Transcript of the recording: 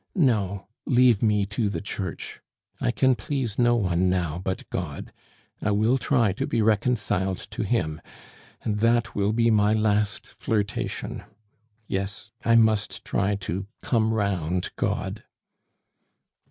No, leave me to the Church. I can please no one now but God. I will try to be reconciled to Him, and that will be my last flirtation; yes, I must try to come round God!"